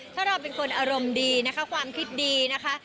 ถ้าเราเป็นคนอารมณ์ดีนะคะความคิดดีนะคะ